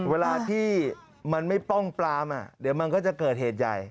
เวลาที่มันไม่ป้องปลามเดี๋ยวมันก็จะเกิดเหตุใหญ่